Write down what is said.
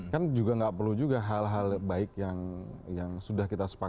kan juga nggak perlu juga hal hal baik yang sudah kita sepakat